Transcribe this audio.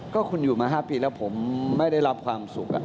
ก็คุณอยู่มา๕ปีแล้วผมไม่ได้รับความสุข